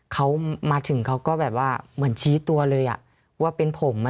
เขามาถึงเขาก็แบบว่าเหมือนชี้ตัวเลยว่าเป็นผมอะไรอย่างนี้